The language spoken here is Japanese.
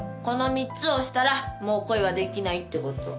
この３つをしたらもう恋はできないってこと。